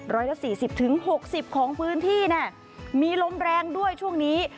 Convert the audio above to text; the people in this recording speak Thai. ร้อยละสี่สิบถึงหกสิบของพื้นที่มีลมแรงด้วยช่วงนี้